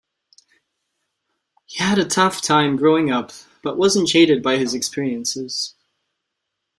He had a tough time growing up but wasn't jaded by his experiences.